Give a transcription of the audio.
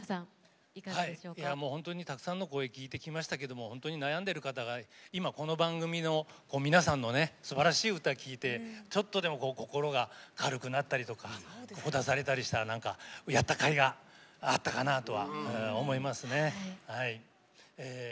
本当にたくさんの声聴いてきましたけど悩んでいる方が、今この番組の皆さんのすばらしい歌を聴いてちょっとでも心が軽くなったりとかほだされたりしたらやったかいがあったかなとは思いますね。